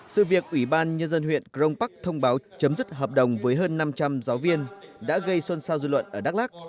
sự việc ủy ban nhân dân huyện crong park thông báo chấm dứt hợp đồng với hơn năm trăm linh giáo viên đã gây xuân sao dư luận ở đắk lắc